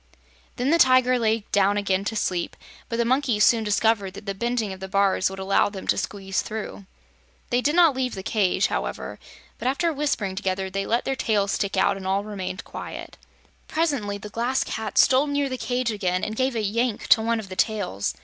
Then the Tiger lay down again to sleep, but the monkeys soon discovered that the bending of the bars would allow them to squeeze through. They did not leave the cage, however, but after whispering together they let their tails stick out and all remained quiet. Presently the Glass Cat stole near the cage again and gave a yank to one of the tails.